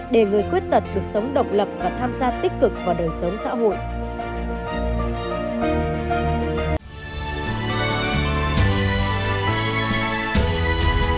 để người khuyết tật được sống độc lập và tham gia tích cực vào đời sống xã hội